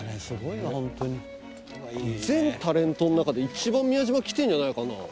すごいよホントに全タレントの中で一番宮島来てんじゃないかな？